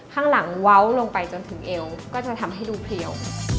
ข้างหลังเว้าลงไปจนถึงเอวก็จะทำให้ดูเพลียว